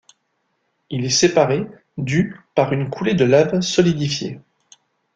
Il est séparé du par une coulée de lave solidifiée.